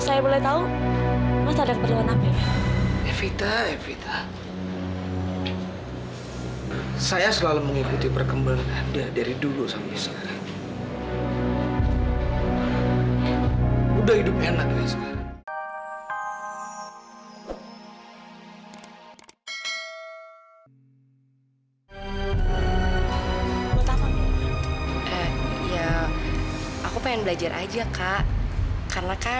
sudah hidup enak